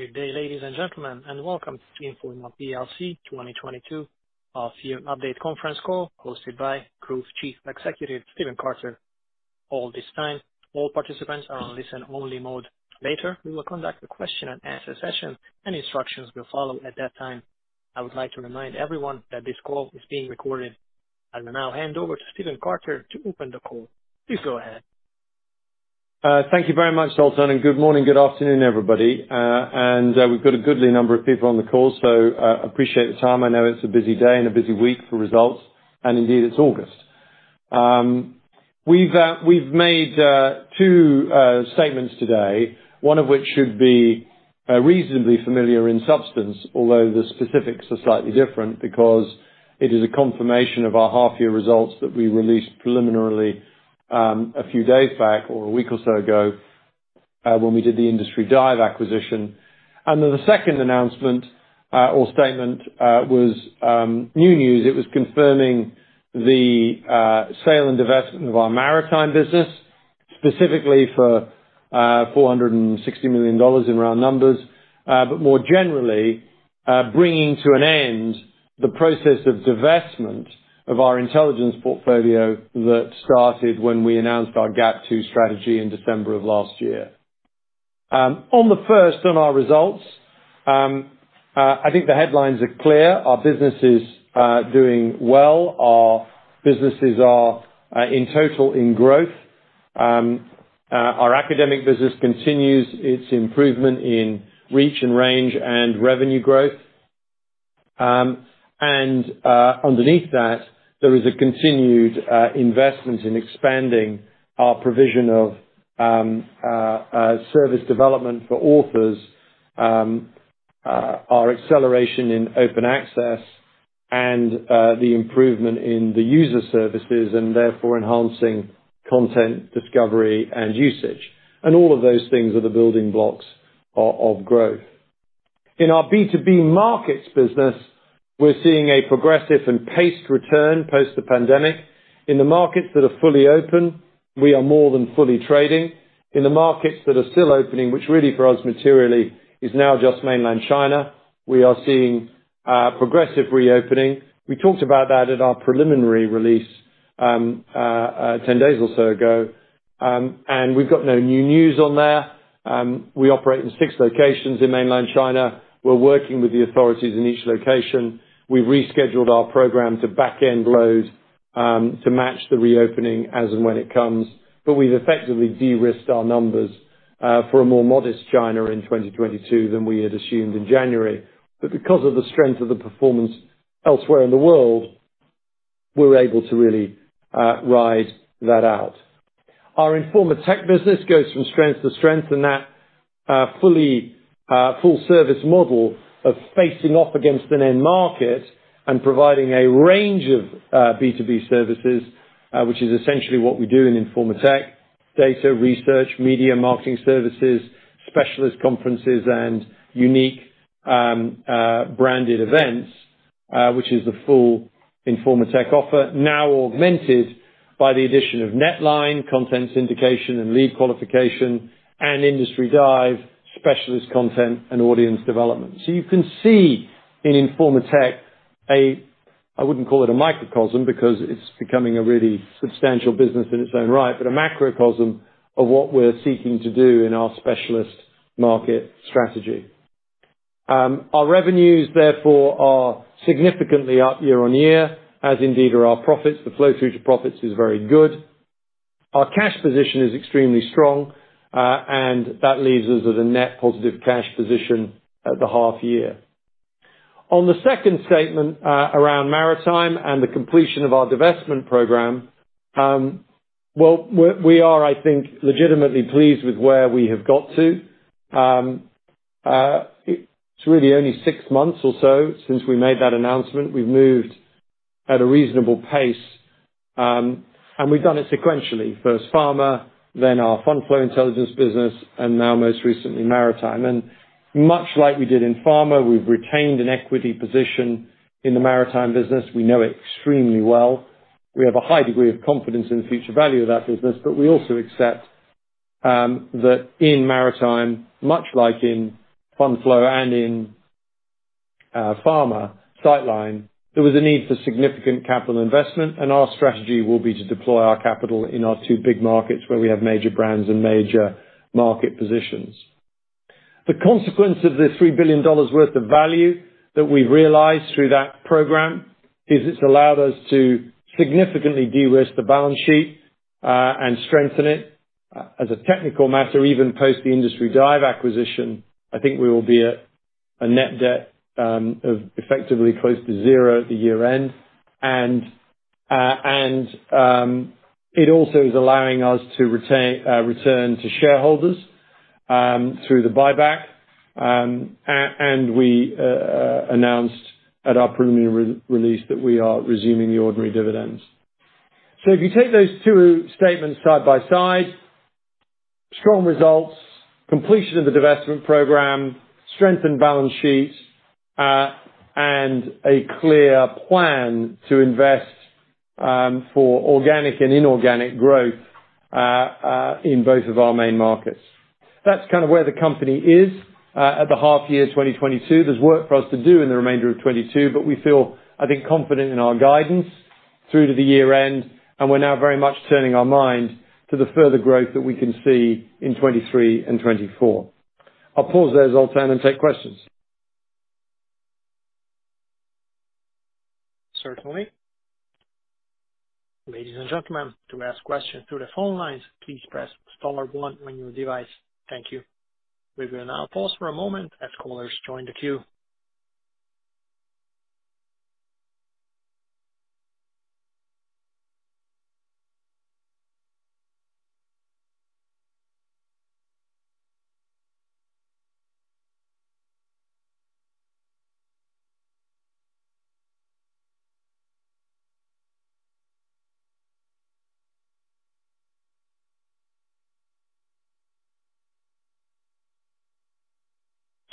Good day, ladies and gentlemen, and welcome to Informa PLC 2022 Full-Year Update Conference Call hosted by Group Chief Executive Stephen Carter. At this time, all participants are in listen-only mode. Later, we will conduct a question and answer session and instructions will follow at that time. I would like to remind everyone that this call is being recorded. I will now hand over to Stephen Carter to open the call. Please go ahead. Thank you very much, Dalton, and good morning, good afternoon, everybody. We've got a goodly number of people on the call, so appreciate the time. I know it's a busy day and a busy week for results, and indeed, it's August. We've made two statements today, one of which should be reasonably familiar in substance, although the specifics are slightly different because it is a confirmation of our half year results that we released preliminarily, a few days back or a week or so ago, when we did the Industry Dive acquisition. The second announcement or statement was new news. It was confirming the sale and divestment of our Maritime business, specifically for $460 million in round numbers. More generally, bringing to an end the process of divestment of our intelligence portfolio that started when we announced our GAP 2 strategy in December of last year. On our results, I think the headlines are clear. Our business is doing well. Our businesses are in total in growth. Our academic business continues its improvement in reach and range and revenue growth. Underneath that, there is a continued investment in expanding our provision of service development for authors, our acceleration in Open Access and the improvement in the user services and therefore enhancing content discovery and usage. All of those things are the building blocks of growth. In our B2B markets business, we're seeing a progressive and paced return post the pandemic. In the markets that are fully open, we are more than fully trading. In the markets that are still opening, which really for us materially is now just Mainland China, we are seeing progressive reopening. We talked about that at our preliminary release, 10 days or so ago, and we've got no new news on there. We operate in six locations in Mainland China. We're working with the authorities in each location. We've rescheduled our program to back-end load to match the reopening as and when it comes. We've effectively de-risked our numbers for a more modest China in 2022 than we had assumed in January. Because of the strength of the performance elsewhere in the world, we're able to really ride that out. Our Informa Tech business goes from strength to strength in that full service model of facing off against an end market and providing a range of B2B services, which is essentially what we do in Informa Tech. Data research, media marketing services, specialist conferences and unique branded events, which is the full Informa Tech offer, now augmented by the addition of NetLine, content syndication and lead qualification and Industry Dive, specialist content and audience development. You can see in Informa Tech, a, I wouldn't call it a microcosm because it's becoming a really substantial business in its own right, but a macrocosm of what we're seeking to do in our specialist market strategy. Our revenues, therefore, are significantly up year-over-year, as indeed are our profits. The flow through to profits is very good. Our cash position is extremely strong, and that leaves us with a net positive cash position at the half year. On the second statement, around Maritime and the completion of our divestment program, well, we are, I think, legitimately pleased with where we have got to. It's really only six months or so since we made that announcement. We've moved at a reasonable pace, and we've done it sequentially. First Pharma, then our fund flow intelligence business, and now most recently, Maritime. Much like we did in Pharma, we've retained an equity position in the Maritime business. We know it extremely well. We have a high degree of confidence in the future value of that business, but we also accept that in Maritime, much like in Fund Flow and in Pharma Citeline, there was a need for significant capital investment, and our strategy will be to deploy our capital in our two big markets where we have major brands and major market positions. The consequence of the $3 billion worth of value that we've realized through that program is it's allowed us to significantly de-risk the balance sheet and strengthen it. As a technical matter, even post the Industry Dive acquisition, I think we will be at a net debt of effectively close to zero at the year end. It also is allowing us to return to shareholders through the buyback. We announced at our preliminary results release that we are resuming the ordinary dividends. If you take those two statements side by side, strong results, completion of the divestment program, strengthened balance sheets, and a clear plan to invest for organic and inorganic growth in both of our main markets. That's kind of where the company is at the half year 2022. There's work for us to do in the remainder of 2022, but we feel, I think, confident in our guidance through to the year end, and we're now very much turning our mind to the further growth that we can see in 2023 and 2024. I'll pause there as I'll turn and take questions. Certainly. Ladies and gentlemen, to ask questions through the phone lines, please press star one on your device. Thank you. We will now pause for a moment as callers join the queue.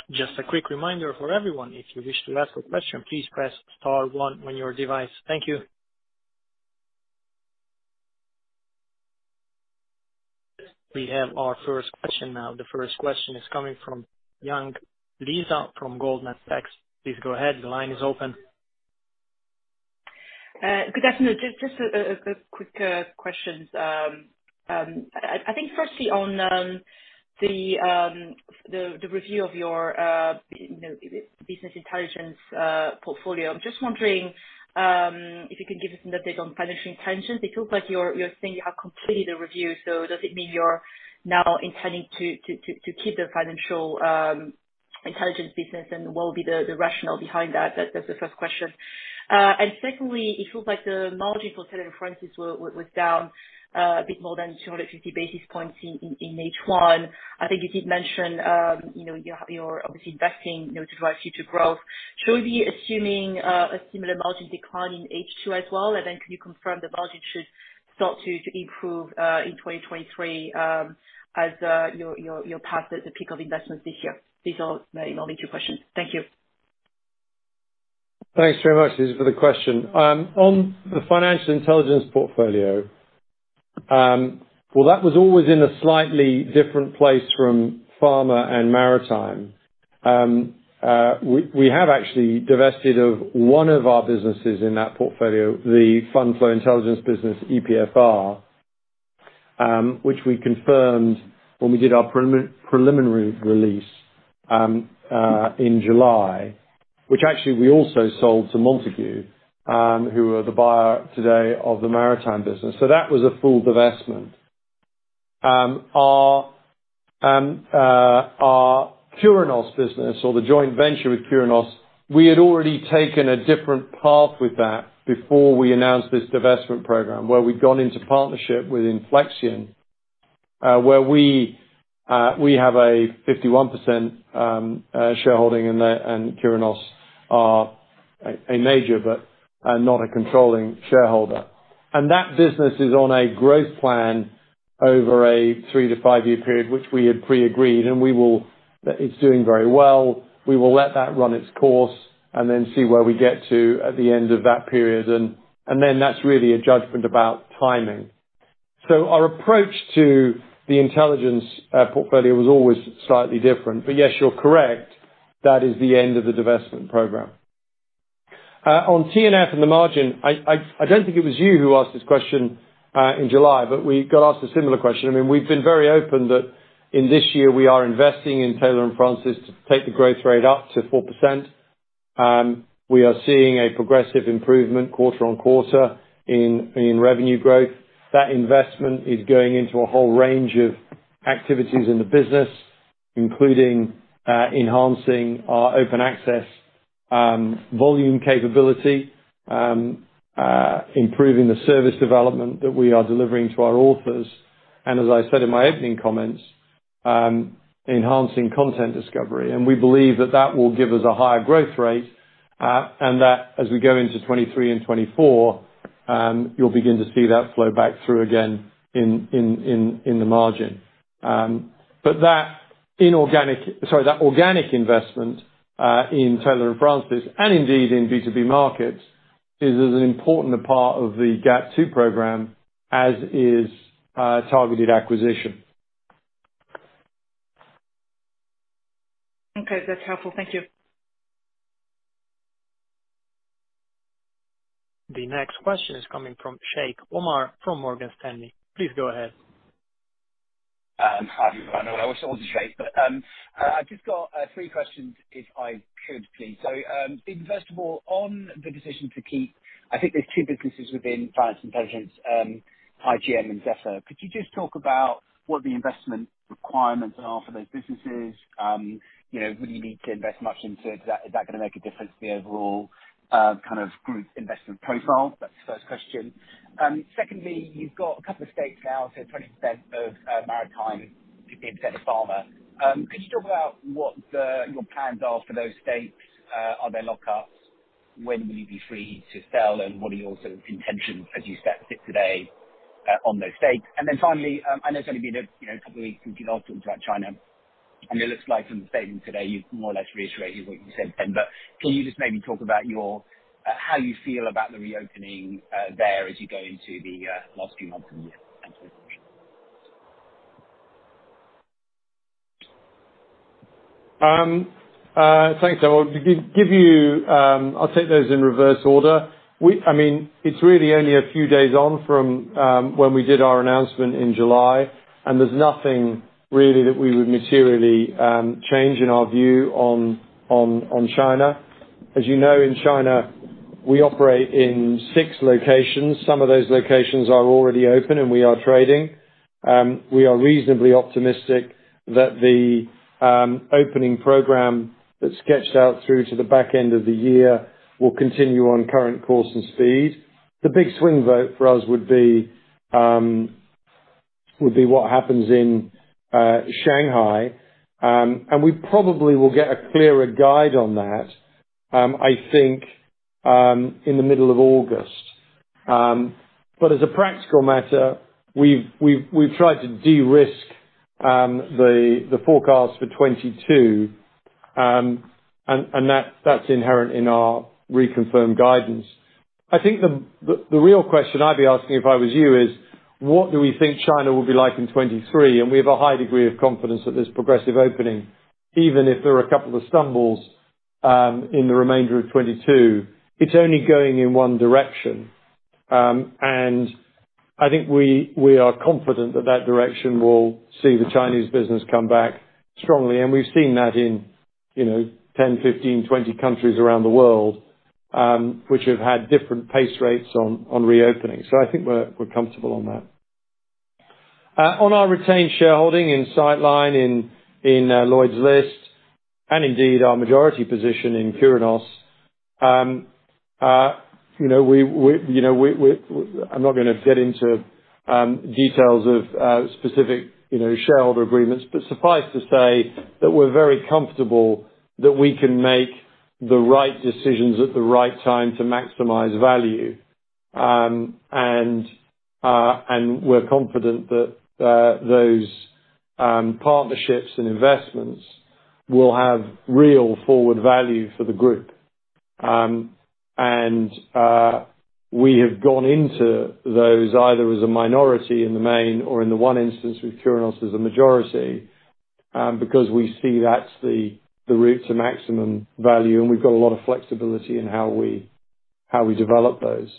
Just a quick reminder for everyone, if you wish to ask a question, please press star one on your device. Thank you. We have our first question now. The first question is coming from Lisa Yang from Goldman Sachs. Please go ahead. The line is open. Good afternoon. Just a quick question. I think, firstly, on the review of your Business Intelligence portfolio. I'm just wondering if you can give us an update on Financial Intelligence. It looks like you're saying you have completed the review, so does it mean you're now intending to keep the Financial Intelligence business, and what would be the rationale behind that? That's the first question. Secondly, it looks like the margin for Taylor & Francis was down a bit more than 250 basis points in H1. I think you did mention you know you're obviously investing you know to drive future growth. Should we be assuming a similar margin decline in H2 as well? Then can you confirm the margin should start to improve in 2023 as you're past the peak of investments this year? These are my only two questions. Thank you. Thanks very much, Lisa, for the question. On the financial intelligence portfolio, well, that was always in a slightly different place from pharma and maritime. We have actually divested of one of our businesses in that portfolio, the fund flow intelligence business, EPFR, which we confirmed when we did our preliminary release in July, which actually we also sold to Montagu, who are the buyer today of the maritime business. That was a full divestment. Our Curinos business or the joint venture with Curinos, we had already taken a different path with that before we announced this divestment program, where we'd gone into partnership with Inflexion, where we have a 51% shareholding in that and Curinos are a major, but not a controlling shareholder. That business is on a growth plan over a three to five year period, which we had pre-agreed, and we will. It's doing very well. We will let that run its course and then see where we get to at the end of that period and then that's really a judgment about timing. Our approach to the intelligence portfolio was always slightly different. Yes, you're correct. That is the end of the divestment program. On T&F and the margin, I don't think it was you who asked this question in July, but we got asked a similar question. I mean, we've been very open that in this year, we are investing in Taylor & Francis to take the growth rate up to 4%. We are seeing a progressive improvement quarter on quarter in revenue growth. That investment is going into a whole range of activities in the business, including enhancing our Open Access volume capability, improving the service development that we are delivering to our authors, and as I said in my opening comments, enhancing content discovery. We believe that that will give us a higher growth rate, and that as we go into 2023 and 2024, you'll begin to see that flow back through again in the margin. That organic investment in Taylor & Francis, and indeed in B2B markets, is as an important a part of the GAP 2 program as is targeted acquisition. Okay. That's helpful. Thank you. The next question is coming from Omar Sheikh from Morgan Stanley. Please go ahead. Hi. I'm not Sheikh, but I've just got three questions if I could, please. First of all, on the decision to keep, I think there's two businesses within Financial Intelligence, IGM and Zephyr. Could you just talk about what the investment requirements are for those businesses? You know, would you need to invest much into it? Is that gonna make a difference to the overall kind of group investment profile? That's the first question. Secondly, you've got a couple of stakes now, so 20% of Maritime Intelligence, 15% of Pharma Intelligence. Could you talk about what your plans are for those stakes? Are there lockups? When will you be free to sell, and what are your sort of intentions as you see fit today on those stakes? Finally, I know it's only been a, you know, a couple of weeks since you last talked about China. It looks like in the statement today, you've more or less reiterated what you said then. Can you just maybe talk about your how you feel about the reopening there as you go into the last few months of the year? Thank you. Thanks. I will give you... I'll take those in reverse order. I mean, it's really only a few days on from when we did our announcement in July, and there's nothing really that we would materially change in our view on China. As you know, in China, we operate in six locations. Some of those locations are already open, and we are trading. We are reasonably optimistic that the opening program that's sketched out through to the back end of the year will continue on current course and speed. The big swing vote for us would be what happens in Shanghai. We probably will get a clearer guide on that, I think, in the middle of August. As a practical matter, we've tried to de-risk the forecast for 2022, and that's inherent in our reconfirmed guidance. I think the real question I'd be asking if I was you is what do we think China will be like in 2023. We have a high degree of confidence that there's progressive opening, even if there are a couple of stumbles in the remainder of 2022. It's only going in one direction. I think we are confident that that direction will see the Chinese business come back strongly, and we've seen that in, you know, 10, 15, 20 countries around the world, which have had different pace rates on reopening. I think we're comfortable on that. On our retained shareholding in Citeline, Lloyd's List, and indeed our majority position in Curinos, you know, I'm not gonna get into details of specific you know, shareholder agreements, but suffice to say that we're very comfortable that we can make the right decisions at the right time to maximize value. We're confident that those partnerships and investments will have real forward value for the group. We have gone into those either as a minority in the main or in the one instance with Curinos as a majority, because we see that's the route to maximum value, and we've got a lot of flexibility in how we develop those.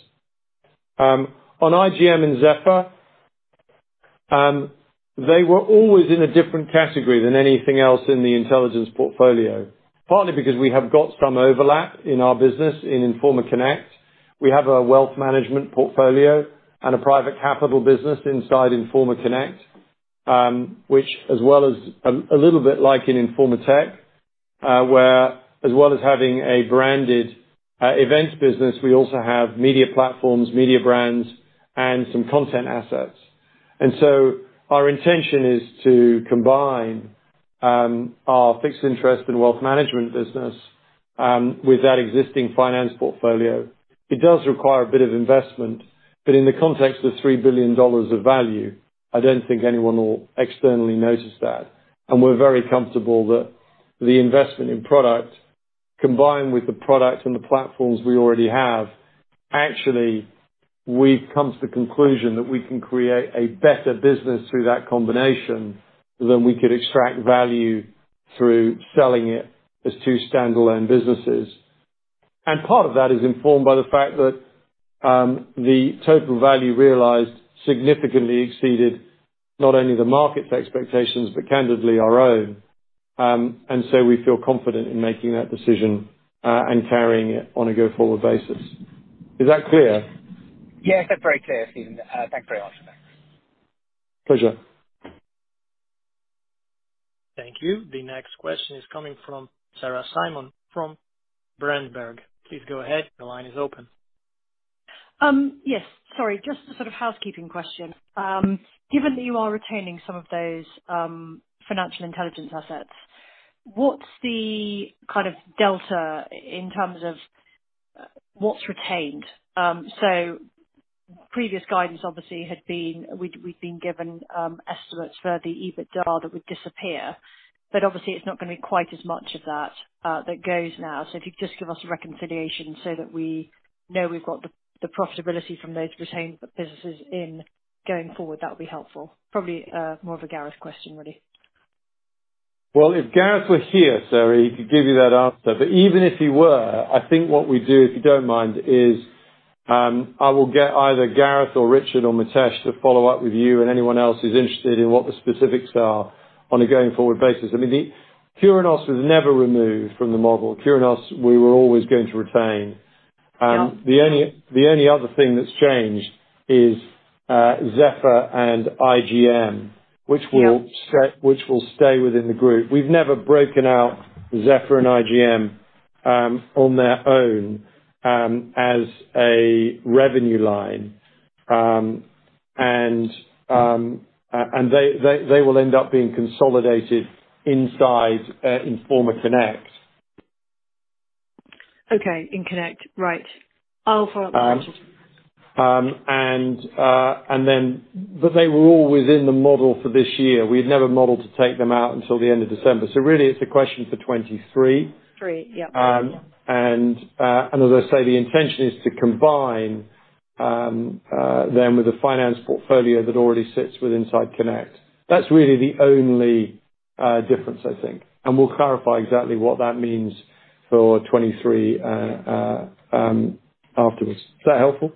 On IGM and Zephyr, they were always in a different category than anything else in the intelligence portfolio, partly because we have got some overlap in our business in Informa Connect. We have a wealth management portfolio and a private capital business inside Informa Connect, which as well as a little bit like in Informa Tech, where as well as having a branded events business, we also have media platforms, media brands, and some content assets. Our intention is to combine our fixed interest and wealth management business with that existing finance portfolio. It does require a bit of investment, but in the context of $3 billion of value, I don't think anyone will externally notice that. We're very comfortable that the investment in product, combined with the products and the platforms we already have. Actually we've come to the conclusion that we can create a better business through that combination than we could extract value through selling it as two standalone businesses. Part of that is informed by the fact that the total value realized significantly exceeded not only the market's expectations, but candidly our own. We feel confident in making that decision and carrying it on a go-forward basis. Is that clear? Yes, that's very clear, Stephen. Thanks very much for that. Pleasure. Thank you. The next question is coming from Sarah Simon from Berenberg. Please go ahead. The line is open. Yes. Sorry, just a sort of housekeeping question. Given that you are retaining some of those financial intelligence assets, what's the kind of delta in terms of what's retained? So previous guidance obviously had been. We'd been given estimates for the EBITDA that would disappear, but obviously it's not gonna be quite as much of that that goes now. If you could just give us a reconciliation so that we know we've got the profitability from those retained businesses going forward, that would be helpful. Probably more of a Gareth question really. Well, if Gareth were here, Sarah, he could give you that answer. Even if he were, I think what we'd do, if you don't mind, is I will get either Gareth or Richard or Mitesh to follow up with you and anyone else who's interested in what the specifics are on a going forward basis. I mean, the Curinos was never removed from the model. Curinos we were always going to retain. The only other thing that's changed is Zephyr and IGM. Yeah. which will stay within the group. We've never broken out Zephyr and IGM on their own as a revenue line. They will end up being consolidated inside Informa Connect. Okay. In Connect. Right. I'll follow up. They were all within the model for this year. We had never modeled to take them out until the end of December. Really it's a question for 2023. Three. Yep. As I say, the intention is to combine them with a finance portfolio that already sits within Connect. That's really the only difference, I think. We'll clarify exactly what that means for 2023 afterwards. Is that helpful?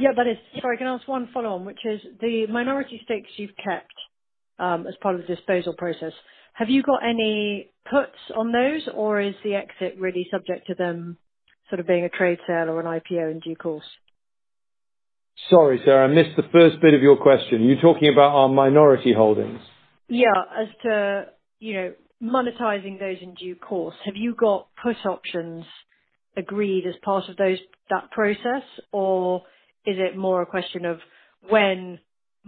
Yeah, that is. Sorry, can I ask one follow on, which is the minority stakes you've kept, as part of the disposal process, have you got any puts on those, or is the exit really subject to them sort of being a trade sale or an IPO in due course? Sorry, Sarah, I missed the first bit of your question. You're talking about our minority holdings? Yeah. As to, you know, monetizing those in due course, have you got put options agreed as part of those, that process, or is it more a question of when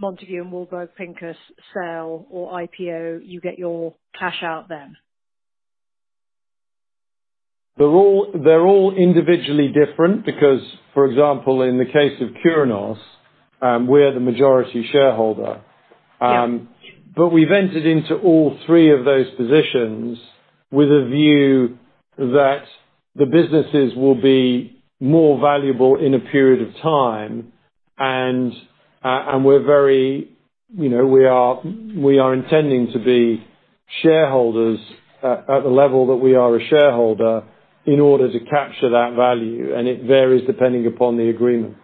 Montagu and Warburg Pincus sell or IPO, you get your cash out then? They're all individually different because, for example, in the case of Curinos, we're the majority shareholder. Yeah. We've entered into all three of those positions with a view that the businesses will be more valuable in a period of time. We're very, you know, we are intending to be shareholders at the level that we are a shareholder in order to capture that value, and it varies depending upon the agreement.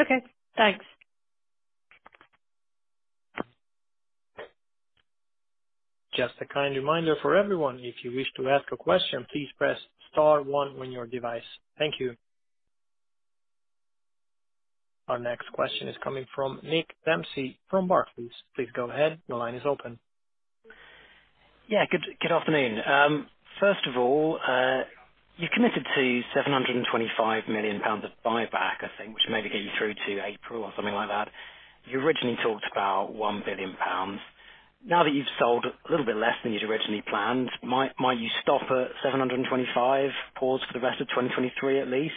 Okay, thanks. Just a kind reminder for everyone, if you wish to ask a question, please press star one on your device. Thank you. Our next question is coming from Nick Dempsey from Barclays. Please go ahead. Your line is open. Yeah. Good afternoon. First of all, you committed to 725 million pounds of buyback, I think, which may get you through to April or something like that. You originally talked about 1 billion pounds. Now that you've sold a little bit less than you'd originally planned, might you stop at 725 million for the rest of 2023 at least?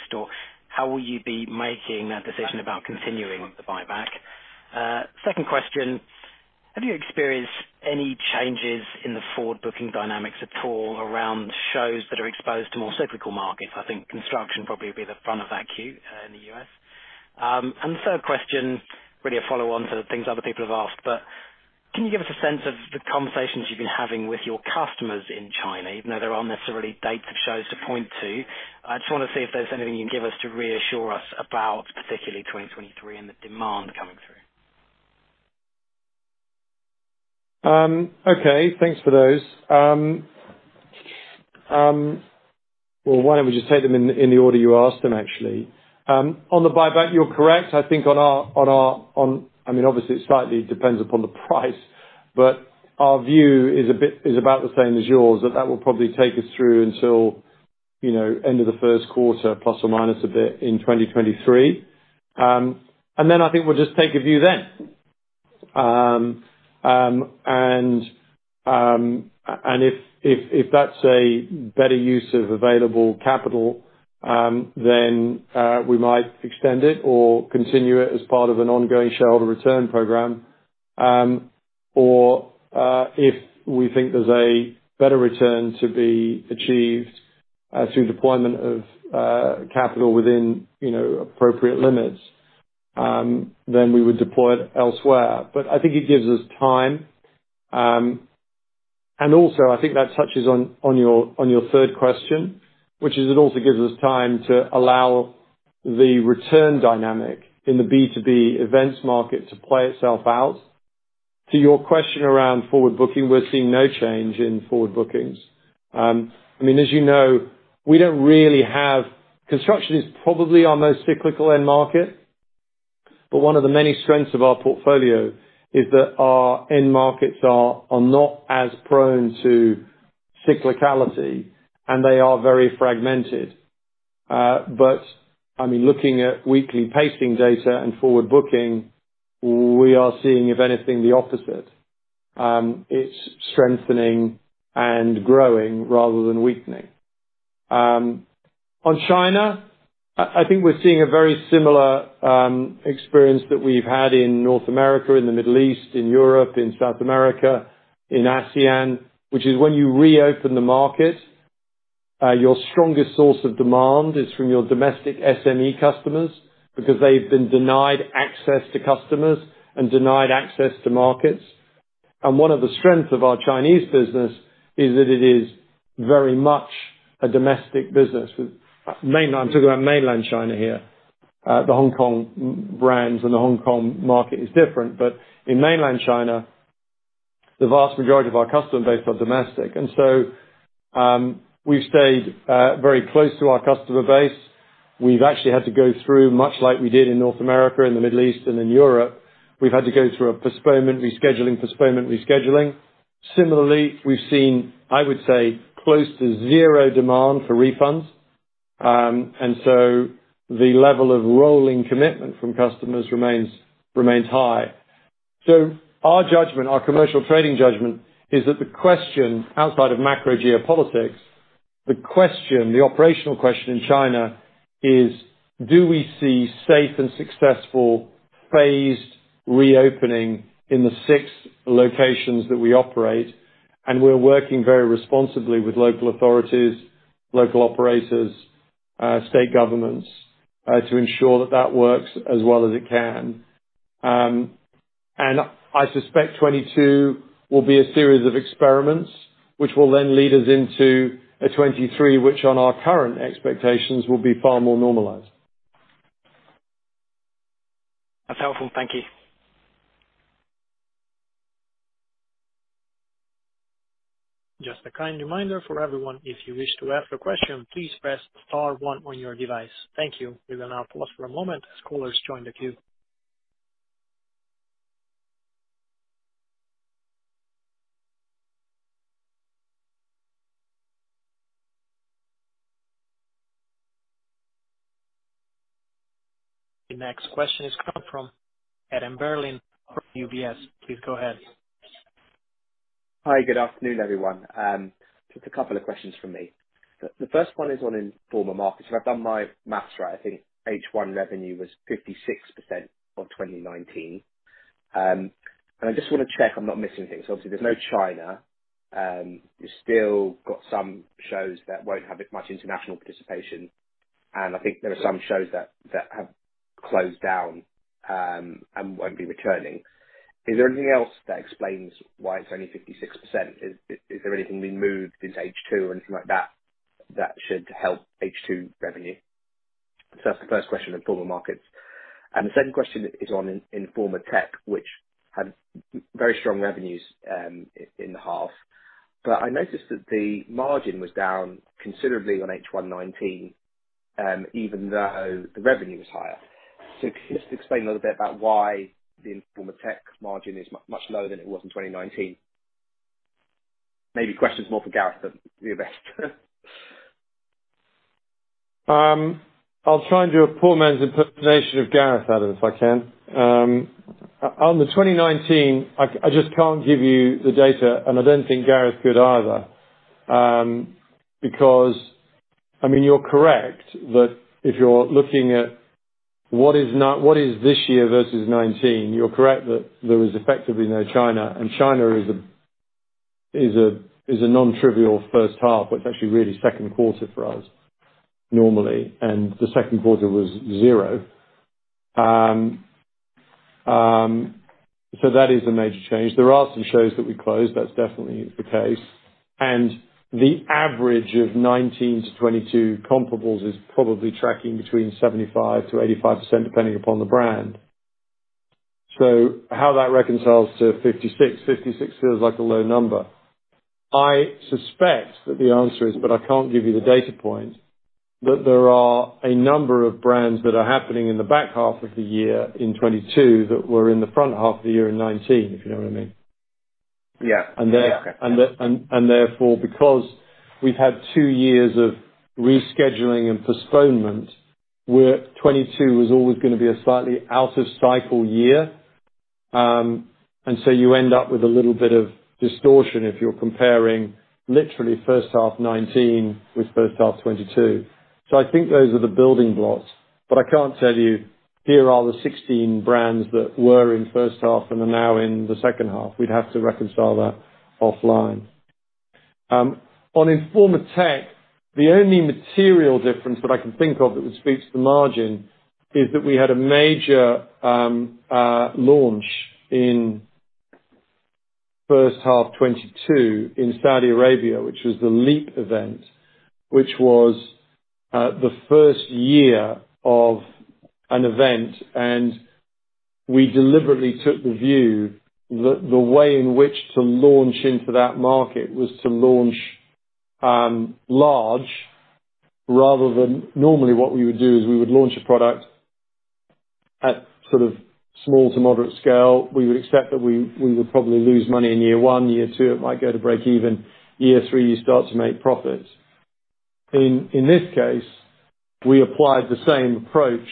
How will you be making that decision about continuing the buyback? Second question, have you experienced any changes in the forward booking dynamics at all around shows that are exposed to more cyclical markets? I think construction probably would be the front of that queue, in the U.S. The third question, really a follow-on to the things other people have asked, but can you give us a sense of the conversations you've been having with your customers in China, even though there aren't necessarily dates of shows to point to? I just wanna see if there's anything you can give us to reassure us about, particularly 2023 and the demand coming through. Okay. Thanks for those. Well, why don't we just take them in the order you asked them, actually. On the buyback, you're correct. I think on our, I mean, obviously it slightly depends upon the price, but our view is about the same as yours, that that will probably take us through until, you know, end of the first quarter, plus or minus a bit, in 2023. I think we'll just take a view then. If that's a better use of available capital, then we might extend it or continue it as part of an ongoing shareholder return program. If we think there's a better return to be achieved through deployment of capital within, you know, appropriate limits, then we would deploy it elsewhere. I think it gives us time. I think that touches on your third question, which is it also gives us time to allow the return dynamic in the B2B events market to play itself out. To your question around forward booking, we're seeing no change in forward bookings. I mean, as you know, we don't really have. Construction is probably our most cyclical end market, but one of the many strengths of our portfolio is that our end markets are not as prone to cyclicality, and they are very fragmented. I mean, looking at weekly pacing data and forward booking, we are seeing, if anything, the opposite. It's strengthening and growing rather than weakening. On China, I think we're seeing a very similar experience that we've had in North America, in the Middle East, in Europe, in South America, in ASEAN, which is when you reopen the market, your strongest source of demand is from your domestic SME customers because they've been denied access to customers and denied access to markets. One of the strengths of our Chinese business is that it is very much a domestic business. I'm talking about mainland China here. The Hong Kong brands and the Hong Kong market is different. In mainland China, the vast majority of our customer base are domestic. We've stayed very close to our customer base. We've actually had to go through, much like we did in North America and the Middle East and in Europe, we've had to go through a postponement, rescheduling, postponement, rescheduling. Similarly, we've seen, I would say, close to zero demand for refunds. The level of rolling commitment from customers remains high. Our judgment, our commercial trading judgment is that the question outside of macro geopolitics, the question, the operational question in China is do we see safe and successful phased reopening in the six locations that we operate? We're working very responsibly with local authorities, local operators, state governments, to ensure that that works as well as it can. I suspect 2022 will be a series of experiments which will then lead us into a 2023, which on our current expectations will be far more normalized. That's helpful. Thank you. Just a kind reminder for everyone. If you wish to ask a question, please press star one on your device. Thank you. We will now pause for a moment as callers join the queue. The next question is coming from Adam Berlin from UBS. Please go ahead. Hi. Good afternoon, everyone. Just a couple of questions from me. The first one is on Informa Markets. If I've done my math right, I think H1 revenue was 56% of 2019. I just wanna check I'm not missing things. Obviously, there's no China. You still got some shows that won't have as much international participation. I think there are some shows that have closed down and won't be returning. Is there anything else that explains why it's only 56%? Is there anything being moved into H2 or anything like that that should help H2 revenue? That's the first question on Informa Markets. The second question is on Informa Tech, which had very strong revenues in the half. I noticed that the margin was down considerably on H1 2019, even though the revenue was higher. Can you just explain a little bit about why the Informa Tech margin is much lower than it was in 2019? Maybe question's more for Gareth than you, but I'll try and do a poor man's impersonation of Gareth, Adam, if I can. On the 2019, I just can't give you the data, and I don't think Gareth could either. Because I mean, you're correct that if you're looking at what is this year versus 2019, you're correct that there was effectively no China, and China is a non-trivial first half, but it's actually really second quarter for us normally, and the second quarter was 0. That is a major change. There are some shows that we closed, that's definitely the case. The average of 2019-2022 comparables is probably tracking between 75%-85%, depending upon the brand. How that reconciles to 56%. 56% feels like a low number. I suspect that the answer is, but I can't give you the data point, that there are a number of brands that are happening in the back half of the year in 2022 that were in the front half of the year in 2019, if you know what I mean. Yeah. Yeah. And the- Okay. Therefore, because we've had two years of rescheduling and postponement, where 2022 was always gonna be a slightly out of cycle year. You end up with a little bit of distortion if you're comparing literally first half 2019 with first half 2022. I think those are the building blocks, but I can't tell you, here are the 16 brands that were in first half and are now in the second half. We'd have to reconcile that offline. On Informa Tech, the only material difference that I can think of that would speak to the margin is that we had a major launch in first half 2022 in Saudi Arabia, which was the LEAP event, which was the first year of an event. We deliberately took the view the way in which to launch into that market was to launch large rather than. Normally what we would do is we would launch a product at sort of small to moderate scale. We would expect that we would probably lose money in year one. Year two, it might go to break even. Year three, you start to make profits. In this case, we applied the same approach,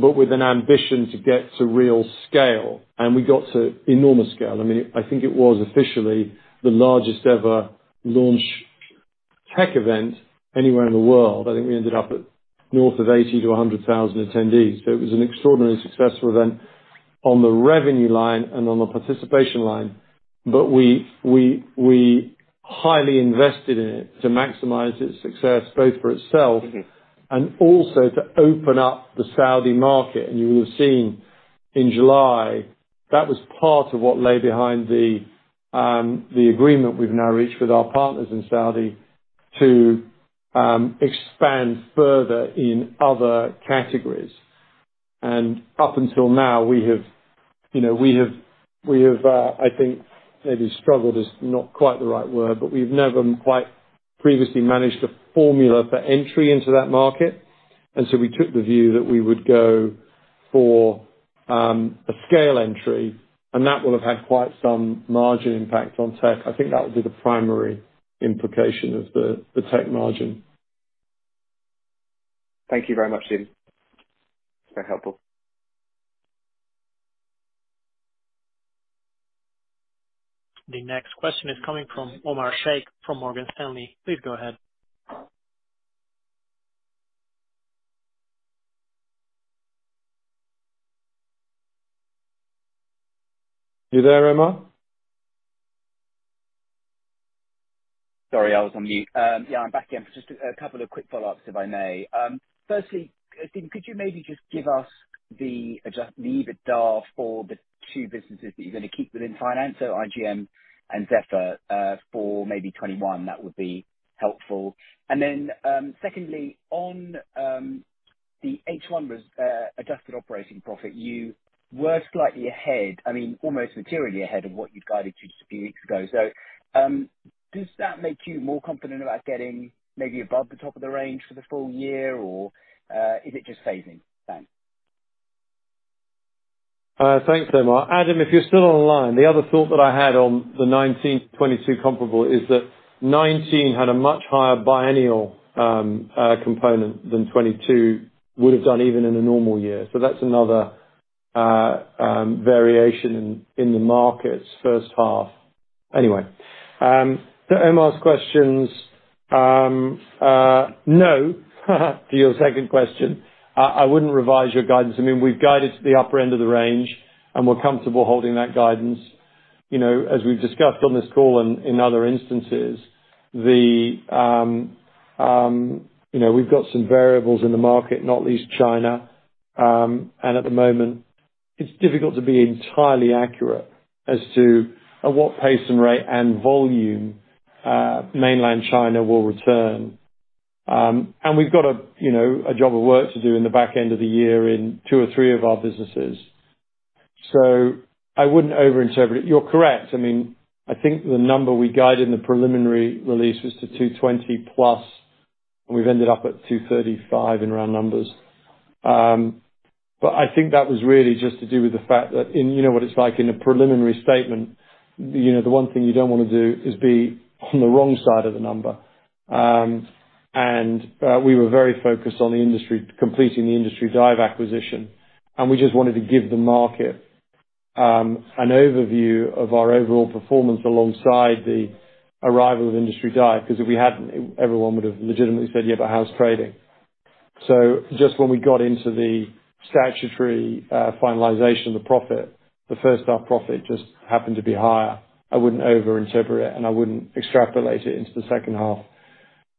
but with an ambition to get to real scale, and we got to enormous scale. I mean, I think it was officially the largest ever launch tech event anywhere in the world. I think we ended up at north of 80-100,000 attendees. It was an extraordinarily successful event on the revenue line and on the participation line. We highly invested in it to maximize its success, both for itself. Mm-hmm. Also to open up the Saudi market. You will have seen in July, that was part of what lay behind the agreement we've now reached with our partners in Saudi to expand further in other categories. Up until now, we have, I think maybe struggled is not quite the right word, but we've never quite previously managed a formula for entry into that market. We took the view that we would go for a scale entry, and that will have had quite some margin impact on tech. I think that would be the primary implication of the tech margin. Thank you very much, Steve. That's very helpful. The next question is coming from Omar Sheikh from Morgan Stanley. Please go ahead. You there, Omar? Sorry, I was on mute. Yeah, I'm back again for just a couple of quick follow-ups, if I may. Firstly, Dean, could you maybe just give us the EBITDA for the two businesses that you're gonna keep within finance, so IGM and Zephyr, for maybe 2021? That would be helpful. Secondly, on the H1 adjusted operating profit, you were slightly ahead, I mean, almost materially ahead of what you'd guided to just a few weeks ago. Does that make you more confident about getting maybe above the top of the range for the full year, or is it just phasing? Thanks. Thanks, Omar. Adam, if you're still online, the other thought that I had on the 2019-2022 comparable is that 2019 had a much higher biennial component than 2022 would have done even in a normal year. That's another variation in the markets first half. Anyway, to Omar's questions, no, to your second question. I wouldn't revise your guidance. I mean, we've guided to the upper end of the range, and we're comfortable holding that guidance. You know, as we've discussed on this call and in other instances, you know, we've got some variables in the market, not least China, and at the moment, it's difficult to be entirely accurate as to at what pace and rate and volume Mainland China will return. We've got a, you know, a job of work to do in the back end of the year in two or three of our businesses. I wouldn't overinterpret it. You're correct. I mean, I think the number we guided in the preliminary release was to 220+, and we've ended up at 235 in round numbers. But I think that was really just to do with the fact that in, you know what it's like in a preliminary statement, you know, the one thing you don't wanna do is be on the wrong side of the number. We were very focused on the industry, completing the Industry Dive acquisition, and we just wanted to give the market an overview of our overall performance alongside the arrival of Industry Dive, because if we hadn't, everyone would have legitimately said, "Yeah, but how's trading?" Just when we got into the statutory finalization of the profit, the first half profit just happened to be higher. I wouldn't overinterpret it, and I wouldn't extrapolate it into the second half.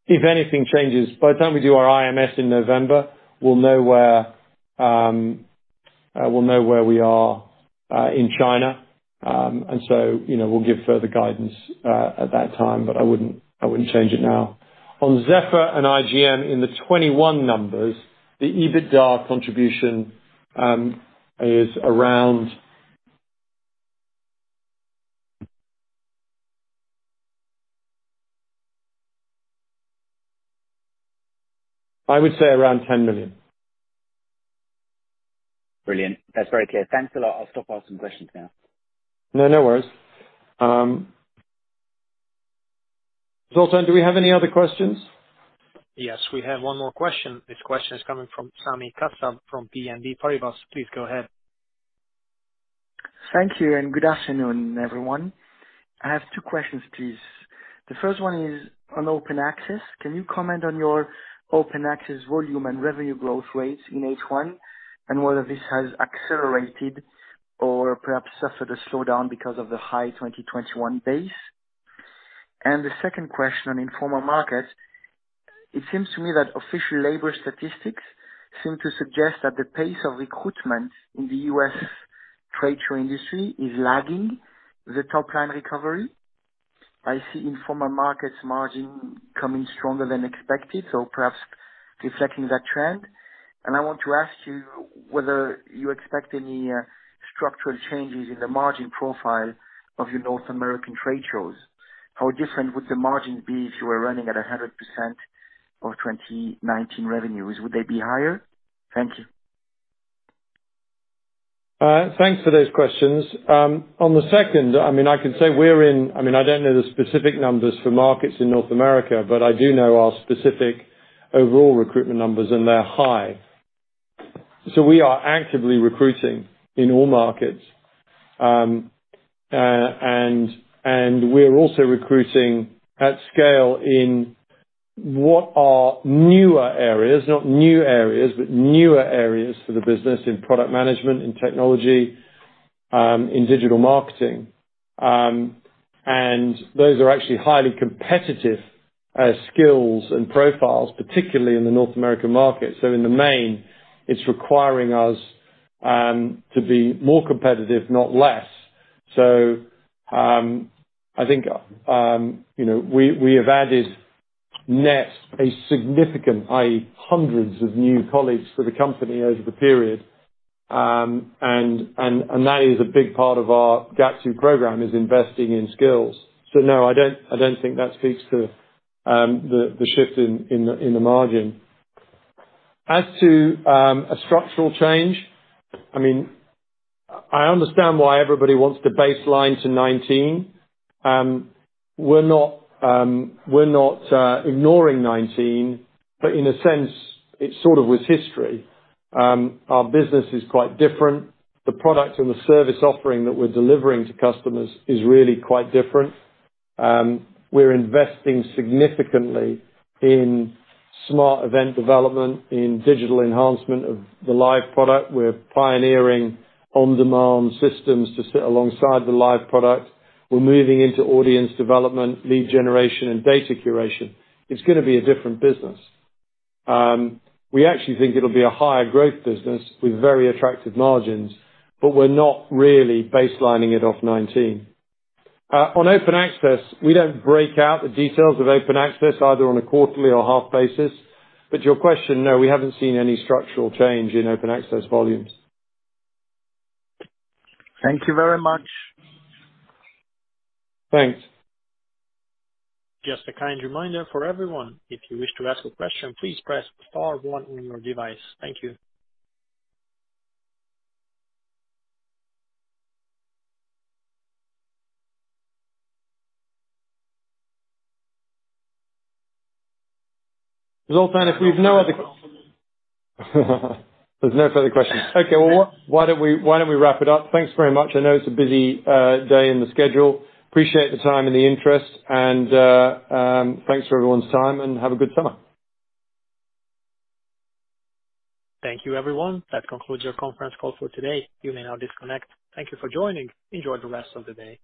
If anything changes, by the time we do our IMS in November, we'll know where we are in China. You know, we'll give further guidance at that time, but I wouldn't change it now. On Zephyr and IGM, in the 2021 numbers, the EBITDA contribution is around... I would say around 10 million. Brilliant. That's very clear. Thanks a lot. I'll stop asking questions now. No, no worries. Zoltan, do we have any other questions? Yes, we have one more question. This question is coming from Sami Kassab from BNP Paribas. Please go ahead. Thank you, and good afternoon, everyone. I have two questions, please. The first one is on Open Access. Can you comment on your Open Access volume and revenue growth rates in H1, and whether this has accelerated or perhaps suffered a slowdown because of the high 2021 base? The second question on Informa Markets, it seems to me that official labor statistics seem to suggest that the pace of recruitment in the U.S. trade show industry is lagging the top line recovery. I see Informa Markets margin coming stronger than expected, so perhaps reflecting that trend. I want to ask you whether you expect any, structural changes in the margin profile of your North American trade shows. How different would the margin be if you were running at 100% of 2019 revenues? Would they be higher? Thank you. Thanks for those questions. On the second, I mean, I can say I don't know the specific numbers for markets in North America, but I do know our specific overall recruitment numbers, and they're high. We are actively recruiting in all markets. We're also recruiting at scale in what are newer areas, not new areas, but newer areas for the business in product management, in technology, in digital marketing. Those are actually highly competitive skills and profiles, particularly in the North American market. In the main, it's requiring us to be more competitive, not less. I think, you know, we have added net a significant, i.e., hundreds of new colleagues for the company over the period. That is a big part of our GAP II program, is investing in skills. No, I don't think that speaks to the shift in the margin. As to a structural change, I mean, I understand why everybody wants to baseline to 2019. We're not ignoring 2019, but in a sense, it sort of was history. Our business is quite different. The product and the service offering that we're delivering to customers is really quite different. We're investing significantly in smart event development, in digital enhancement of the live product. We're pioneering on-demand systems to sit alongside the live product. We're moving into audience development, lead generation, and data curation. It's gonna be a different business. We actually think it'll be a higher growth business with very attractive margins, but we're not really baselining it off 2019. On Open Access, we don't break out the details of Open Access either on a quarterly or half basis. To your question, no, we haven't seen any structural change in Open Access volumes. Thank you very much. Thanks. Just a kind reminder for everyone, if you wish to ask a question, please press star one on your device. Thank you. Zoltan, there's no further questions. Okay. Well, why don't we wrap it up? Thanks very much. I know it's a busy day in the schedule. Appreciate the time and the interest and thanks for everyone's time, and have a good summer. Thank you, everyone. That concludes your conference call for today. You may now disconnect. Thank you for joining. Enjoy the rest of the day.